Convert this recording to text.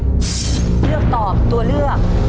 เลือกตอบตัวเลือก